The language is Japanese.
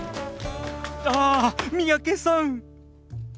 ああ三宅さん。